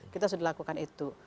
kita sudah lakukan itu